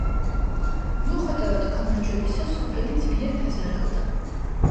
მიუხედავად გამარჯვებისა სოფელი ძლიერ დაზარალდა.